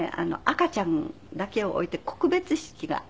赤ちゃんだけを置いて告別式があったとかで。